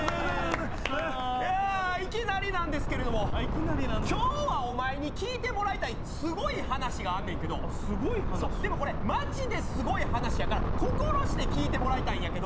いきなりなんですけれども今日はお前に聞いてもらいたいすごい話があんねんけどでもこれ、マジですごい話やから心して聞いてもらいたいんやけど。